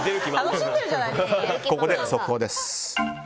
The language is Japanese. ここで速報です。